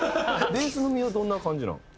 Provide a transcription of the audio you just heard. ベース飲みはどんな感じなん？